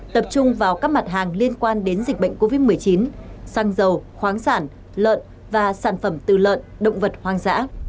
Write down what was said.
tập trung vào các mặt hàng liên quan đến dịch bệnh covid một mươi chín xăng dầu khoáng sản lợn và sản phẩm từ lợn động vật hoang dã